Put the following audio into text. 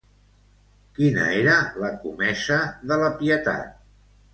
Quina era la comesa de la Pietat?